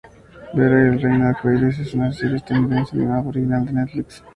Vera y el Reino Arcoiris es una serie estadounidense animada original de Netflix.